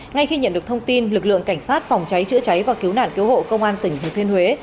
ngay khi nhận được thông tin lực lượng cảnh sát phòng cháy chữa cháy và cứu nạn cứu hộ công an tỉnh thừa thiên huế